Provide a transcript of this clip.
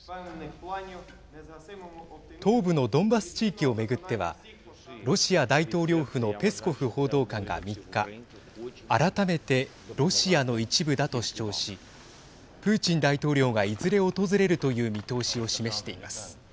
東部のドンバス地域を巡ってはロシア大統領府のペスコフ報道官が３日改めてロシアの一部だと主張しプーチン大統領がいずれ訪れるという見通しを示しています。